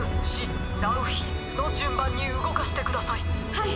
はい！